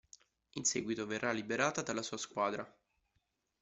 In seguito verrà liberata dalla sua squadra.